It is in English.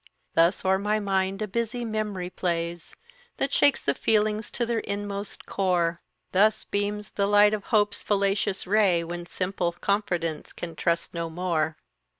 "Thus o'er my mind a busy memory plays, That shakes the feelings to their inmost core; Thus beams the light of Hope's fallacious ray, When simple confidence can trust no more.